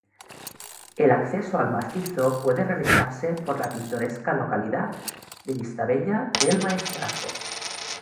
El acceso al macizo puede realizarse por la pintoresca localidad de Vistabella del Maestrazgo.